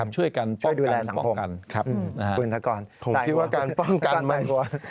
ช่วยกันป้องกันสังคมกันครับคุณธกรสายหัวผมคิดว่าการป้องกันมัน